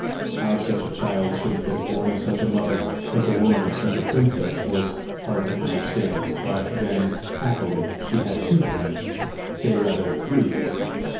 How such a child should have been born of such a mother such a woman of such a princess, was hard to understand; but then, happily, she had two parents say rather, three!